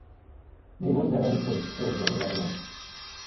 Nô iwo zɨ̀ a va ni teyn sæ zɨ-a ghɨ gha ateyna ?